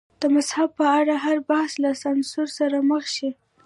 د مذهب په اړه هر بحث له سانسور سره مخ شي.